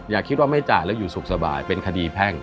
อย่าคิดว่าไม่จ่ายแล้วอยู่สุขสบายเป็นคดีแพ่ง